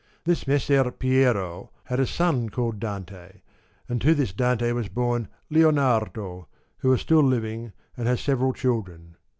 This Messer Piero had a son called Dante, and to this Dante was born Lionardo, who is still living and has several children.